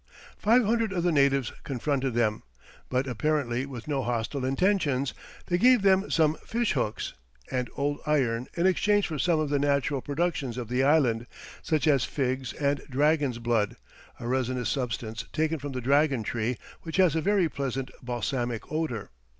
Five hundred of the natives confronted them, but apparently with no hostile intentions; they gave them some fish hooks and old iron in exchange for some of the natural productions of the island, such as figs, and dragon's blood, a resinous substance taken from the dragon tree, which has a very pleasant balsamic odour.